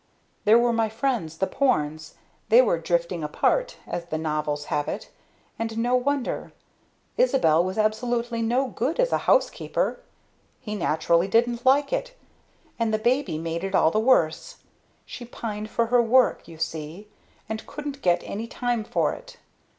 There were my friends the Pornes; they were 'drifting apart,' as the novels have it and no wonder. Isabel was absolutely no good as a housekeeper; he naturally didn't like it and the baby made it all the worse; she pined for her work, you see, and couldn't get any time for it.